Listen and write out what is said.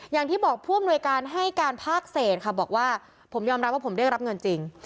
อย่างที่บอกผู้อำนวยการให้การภาคเศษค่ะบอกว่าผมยอมรับว่าผมได้รับเงินจริง